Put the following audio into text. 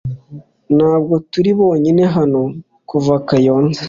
Ntabwo turi bonyine hano kuva Kayonza .